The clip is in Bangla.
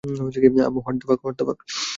হোয়াট দ্যা ফাক?